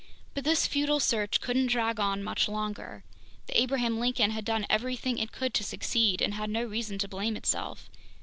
But this futile search couldn't drag on much longer. The Abraham Lincoln had done everything it could to succeed and had no reason to blame itself.